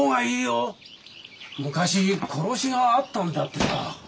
昔殺しがあったんだってさ。